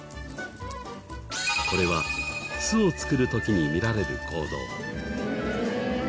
これは巣を作る時に見られる行動。